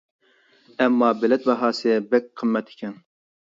ئەمما بىلەت باھاسى بەك قىممەت ئىكەن.